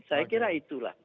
saya kira itulah